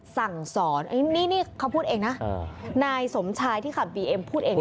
สั่งสอนอันนี้นี่เขาพูดเองนะนายสมชายที่ขับบีเอ็มพูดเอง